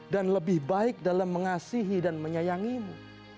dan lebih baik dalam mengasihi dan menyayangimu